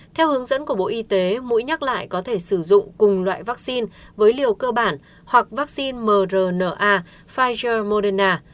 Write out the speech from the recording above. theo hướng dẫn của bộ y tế mũi nhắc lại có thể sử dụng cùng loại vaccine với liều cơ bản hoặc vaccine mrna pfizer moderna